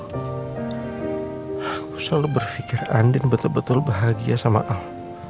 aku selalu berfikir andin betul betul bahagia sama al